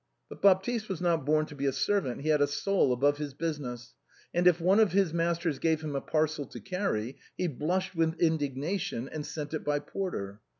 But Baptiste was not born to be a servant ; he had a soul above his business; and if one of his masters gave him a parcel to carry, he blushed with indignation, and sent it by a porter.